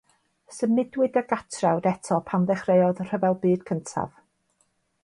Symudwyd y gatrawd eto pan ddechreuodd y Rhyfel Byd Cyntaf.